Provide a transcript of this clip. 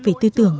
về tư tưởng